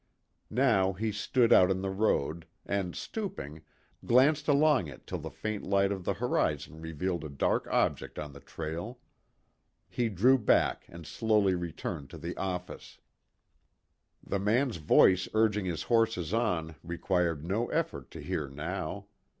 Now he stood out in the road, and stooping, glanced along it till the faint light of the horizon revealed a dark object on the trail. He drew back and slowly returned to the office. The man's voice urging his horses on required no effort to hear now.